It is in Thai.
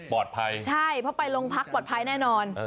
บอดภัยใช่เพราะไปลงพักบอดภัยแน่นอน